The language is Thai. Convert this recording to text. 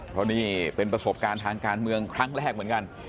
เพราะนี่เป็นประสบการณ์ทางการเมืองครั้งแรกเหมือนกัน